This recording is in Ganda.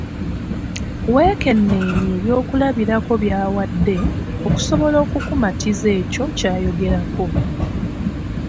Weekenneenye ebyokulabirako by'awadde okusobola okukumatiza ekyo ky'ayogerako.